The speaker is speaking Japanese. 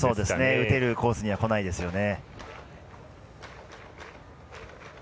打てるコースにはこないですよね。